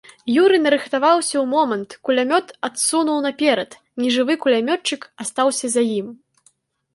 Юры нарыхтаваўся ў момант, кулямёт адсунуў наперад, нежывы кулямётчык астаўся за ім.